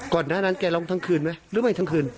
หน้านั้นแกร้องทั้งคืนไหมหรือไม่ทั้งคืน